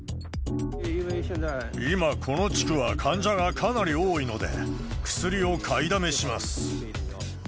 今、この地区は患者がかなり多いので、薬を買いだめします。